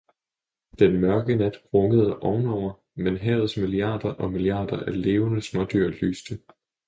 Den mørke nat rugede ovenover, men havets milliarder og milliarder levende smådyr lyste.